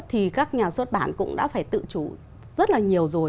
thì các nhà xuất bản cũng đã phải tự chủ rất là nhiều rồi